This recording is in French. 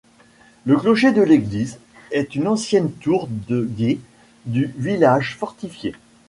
Le clocher de l’église est une ancienne tour de guet du village fortifié.